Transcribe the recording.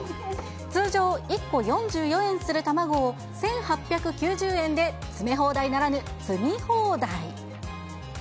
通常１個４４円する卵を１８９０円で詰め放題ならぬ、積み放題。